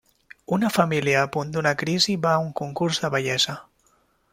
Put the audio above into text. Una família a punt d'una crisi va a un concurs de bellesa.